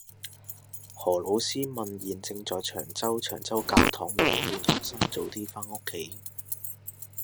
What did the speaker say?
何老師問現正在長洲長洲教堂路勸學生早啲返屋企